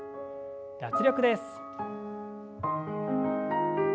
脱力です。